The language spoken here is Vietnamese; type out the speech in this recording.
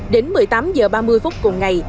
đến một mươi tám h ba mươi phút cùng ngày